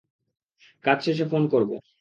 কাজ শেষে ফেন করব।